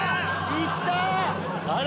行った！